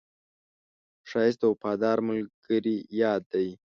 ښایست د وفادار ملګري یاد دی